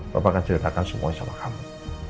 bapak akan ceritakan semuanya sama kamu